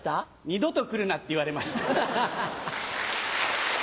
二度と来るなって言われました。